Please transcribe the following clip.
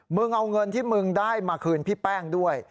มึงเอาเงินที่มึงได้มาคืนพี่แป้งด้วย